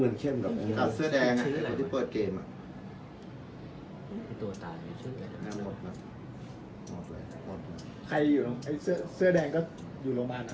ส่วนสุดท้ายส่วนสุดท้าย